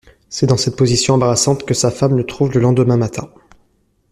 C’est dans cette position embarrassante que sa femme le trouve le lendemain matin.